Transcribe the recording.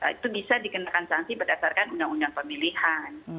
itu bisa dikenakan sanksi berdasarkan undang undang pemilihan